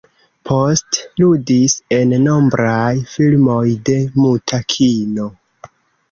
Post ludis en nombraj filmoj de muta kino.